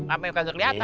sampai kagak kelihatan